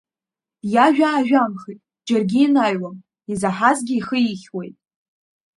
Иажәа ажәамхеит џьаргьы инаҩуам, изаҳазгьы ихы ихьуеит.